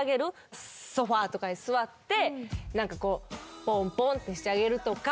ソファとかに座ってポンポンってしてあげるとか。